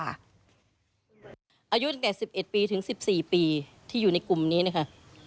อายุตั้งแต่๑๑ปีถึง๑๔ปีที่อยู่ในกลุ่มนี้นะคะ